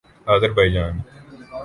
Azerbaijani